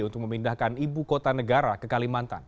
untuk memindahkan ibu kota negara ke kalimantan